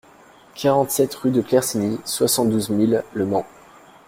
quarante-sept rue de Claircigny, soixante-douze mille Le Mans